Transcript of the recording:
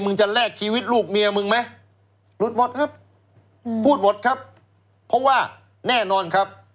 จะแลกชีวิตลูกเมียมึงไหมหลุดหมดครับพูดหมดครับเพราะว่าแน่นอนครับ